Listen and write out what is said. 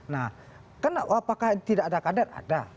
nah kan apakah tidak ada kader ada